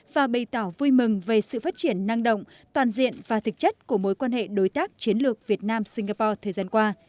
và bày tỏ vui mừng về sự phát triển năng động toàn diện và thực chất của mối quan hệ đối tác chiến lược việt nam singapore thời gian qua